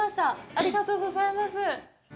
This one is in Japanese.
ありがとうございます。